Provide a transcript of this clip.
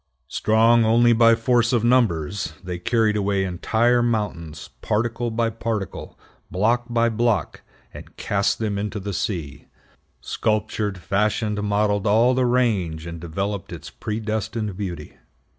Strong only by force of numbers, they carried away entire mountains, particle by particle, block by block, and cast them into the sea; sculptured, fashioned, modeled all the range, and developed its predestined beauty.